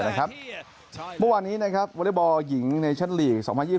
เมื่อวานนี้วอเล็กบอลหญิงในชั้นลีก๒๐๒๐